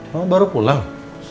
mama baru pulang